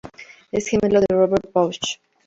Es gemelo de Robert Bausch.